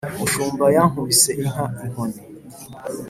umushumba yakubise inka inkoni